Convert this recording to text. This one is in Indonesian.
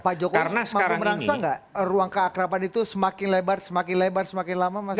pak joko maka merasa nggak ruang keakarpan itu semakin lebar semakin lebar semakin lama mas joko